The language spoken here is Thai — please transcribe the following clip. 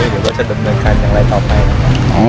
หรือว่าจะดำเนินการอย่างไรต่อไปนะครับ